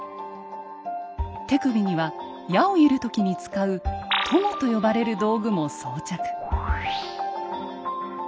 手首には矢を射る時に使う「鞆」と呼ばれる道具も装着。